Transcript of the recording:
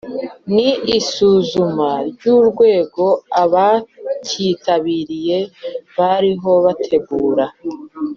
Ni isuzuma ry’urwego abakitabiriye bariho bategura